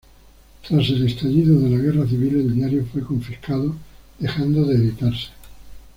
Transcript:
Tras el estallido de la Guerra civil el diario fue confiscado, dejando de editarse.